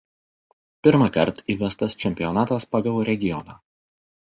Pirmąkart įvestas čempionatas pagal regioną.